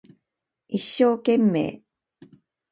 一生懸命